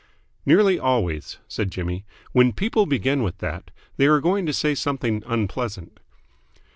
"Nearly always," said Jimmy, "when people begin with that, they are going to say something unpleasant."